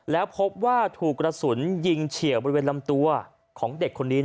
แล้วพบว่าถูกกระสุนยิงเฉียวบริเวณลำตัวของเด็กคนนี้